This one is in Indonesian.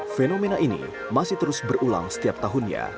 fenomena ini masih terus berulang setiap tahunnya